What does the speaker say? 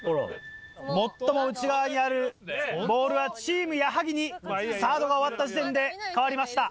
最も内側にあるボールはチーム矢作にサードが終わった時点で変わりました。